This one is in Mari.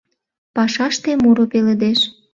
Пашаште муро пеледеш.